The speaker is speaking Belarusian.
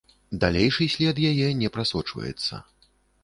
Далейшы след яе не прасочваецца.